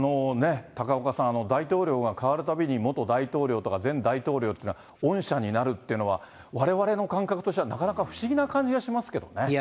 高岡さん、大統領がかわるたびに元大統領とか前大統領っていうのが恩赦になるっていうのは、われわれの感覚としてはなかなか不思議な感じがしますけどね。